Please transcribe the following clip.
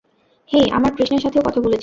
হেই, আমরা কৃষ্ণের সাথেও কথা বলেছি।